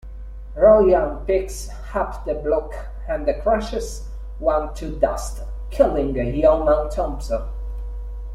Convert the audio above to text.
Rojan picks up the blocks and crushes one to dust, killing Yeoman Thompson.